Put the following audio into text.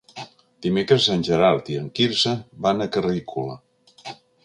Dimecres en Gerard i en Quirze van a Carrícola.